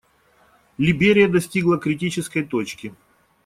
Либерия достигла критической точки.